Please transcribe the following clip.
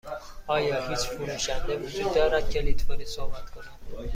آیا هیچ فروشنده وجود دارد که لیتوانی صحبت کند؟